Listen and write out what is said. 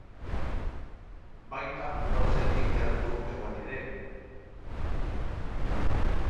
Baita lortzetik gertu egon ere.